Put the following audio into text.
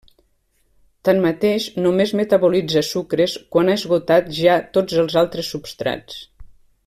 Tanmateix només metabolitza sucres quan ha esgotat ja tots els altres substrats.